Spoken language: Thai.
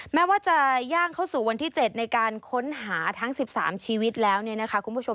แม้ว่าจะย่างเข้าสู่วันที่๗ในการค้นหาทั้ง๑๓ชีวิตแล้วเนี่ยนะคะคุณผู้ชม